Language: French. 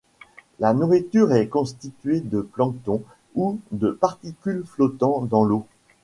La nourriture est constituée de plancton ou de particules flottant dans l'eau.